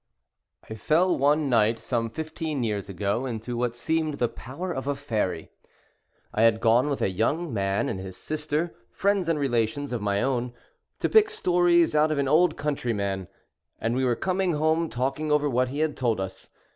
I fell, one night some fifteen years ago, into what seemed the power of faery. I had gone with a yojung man and his sister — friends and relations of my own — to pick stories out of an old countryman ; and we were coming home talking over what he had told us.